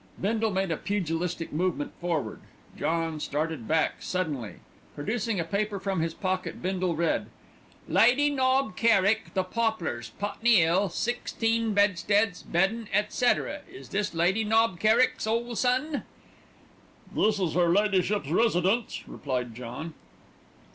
'" Bindle made a pugilistic movement forward. John started back suddenly. Producing a paper from his pocket, Bindle read, "'Lady Knob Kerrick, The Poplars, Putney 'Ill, sixteen bedsteads, beddin', etc.' Is this Lady Knob Kerrick's, ole son?" "This is her ladyship's residence," replied John.